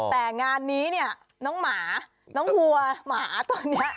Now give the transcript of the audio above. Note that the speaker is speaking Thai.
แต่งานนี้เนี่ยน้องหมาน้องวัวหมาตอนนี้